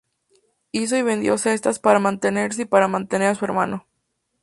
Hizo y vendió cestas para mantenerse y para mantener a su hermano.